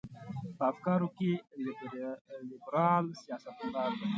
په افکارو کې لیبرال سیاستمدار دی.